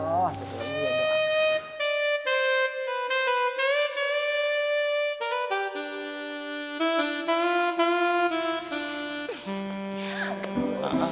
oh sebenernya doa aja